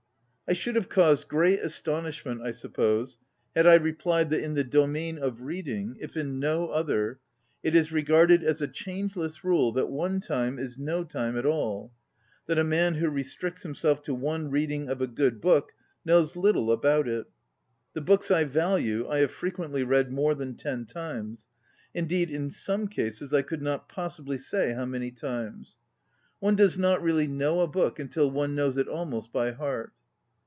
I should have caused great aston ishment, I suppose, had I replied that in the domain of reading ŌĆö if in no other ŌĆö it is regarded as a changeless rule that one time is no time at all, that a man who restricts himself to one reading of a good book knows little about it. The books I value I have frequently read more than ten times; indeed, in some cases I could not possibly say how many times. One does not really 8 ON READING know a book until one knows it almost by heart.